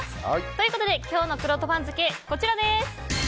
ということで今日のくろうと番付こちらです。